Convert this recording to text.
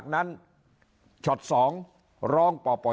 ใช้ช่องทางของสภา